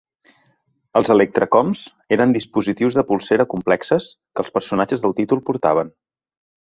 Els ElectraComs eren dispositius de polsera complexes que els personatges del títol portaven.